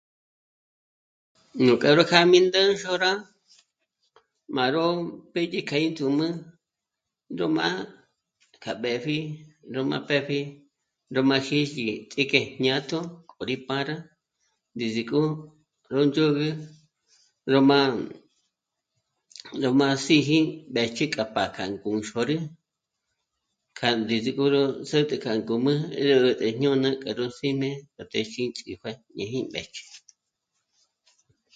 Nú k'a rí jā̂ndi má'a 'ónxôrá má ró pédye k'a índzum'a ró má'a k'a b'épji ró má pë́pji ró má xîs'i ts'íjke jñátjo k'o rí pá'a rá ndízik'o ró ndzhôgü ró má... ró má s'íji ndë̀ch'i k'a pá k'a ngûnxôrü kja índízi k'ôrü s'ä̀t'ä kja íngum'ü 'ä̀jt'ä jñôna k'a ró s'íne téjíndzhijue í jí mbéjchji